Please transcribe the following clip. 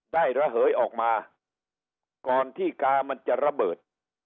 ระเหยออกมาก่อนที่กามันจะระเบิด